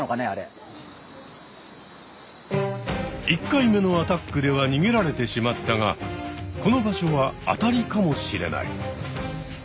１回目のアタックではにげられてしまったがこの場所は当たりかもしれない。